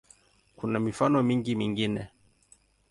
Kuna mifano mingi mingine.